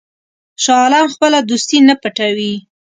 شاه عالم خپله دوستي نه پټوي.